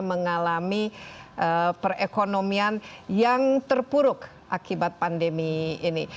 mengalami perekonomian yang terpuruk akibat pandemi ini